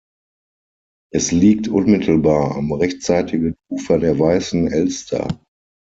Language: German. Es liegt unmittelbar am rechtsseitigen Ufer der Weißen Elster.